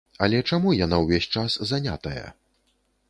Але чаму яна ўвесь час занятая?